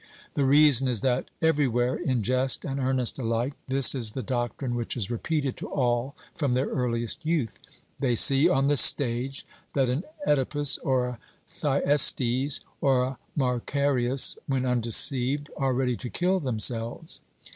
The reason is that everywhere, in jest and earnest alike, this is the doctrine which is repeated to all from their earliest youth. They see on the stage that an Oedipus or a Thyestes or a Macareus, when undeceived, are ready to kill themselves.